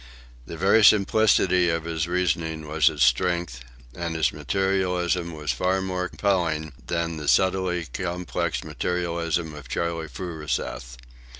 The very simplicity of his reasoning was its strength, and his materialism was far more compelling than the subtly complex materialism of Charley Furuseth.